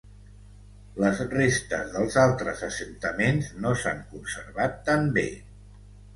Les restes dels altres assentaments no s'han conservat tan bé.